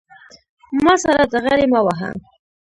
ما سره ډغرې مه وهه